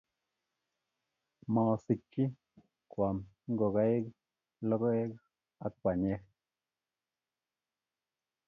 Masikchini koam ngokaik logoek ak banyek